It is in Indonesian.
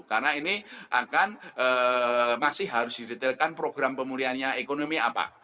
karena ini akan masih harus didetailkan program pemulihannya ekonomi apa